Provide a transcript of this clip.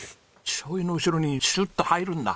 しょうゆの後ろにシュッと入るんだ。